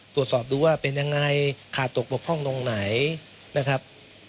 ตรวจสอบดูว่าเป็นยังไงขาดตกบกพร่องตรงไหนนะครับ